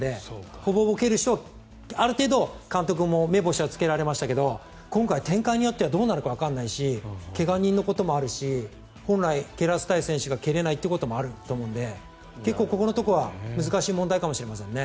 ほぼほぼ蹴る人をある程度監督も目星がつけられましたけど今回、展開によってはどうなるかわからないし怪我人のこともあるし本来、蹴らせたい選手が蹴れないということもあると思うのでここのところは難しい問題かもしれませんね。